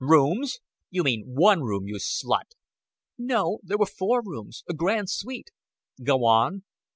"Rooms! You mean one room, you slut!" "No, there were four rooms a grand suite." "Go on."